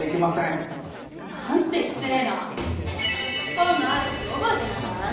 今度会う時覚えてなさい。